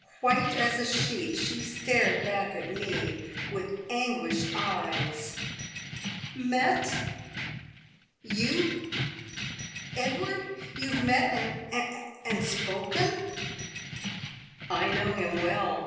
White as a sheet, she stared at me with anguished eyes. "Met! You? Edward? You have met, and spoken?" "I know him well.